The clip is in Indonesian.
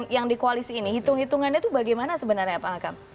yang di koalisi ini hitung hitungannya itu bagaimana sebenarnya pak hakam